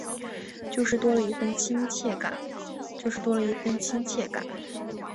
就是多了一分亲切感